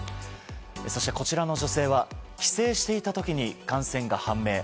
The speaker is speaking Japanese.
こちらの女性は帰省していた時に感染が判明。